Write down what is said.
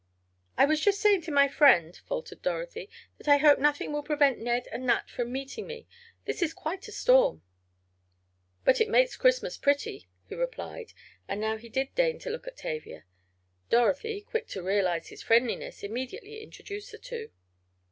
"I was just saying to my friend," faltered Dorothy, "that I hope nothing will prevent Ned and Nat from meeting me. This is quite a storm." "But it makes Christmas pretty," he replied, and now he did deign to look at Tavia. Dorothy, quick to realize his friendliness, immediately introduced the two.